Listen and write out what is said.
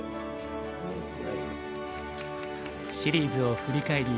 シリーズを振り返り